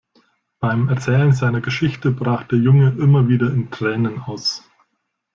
Beim Erzählen seiner Geschichte brach der Junge immer wieder in Tränen aus.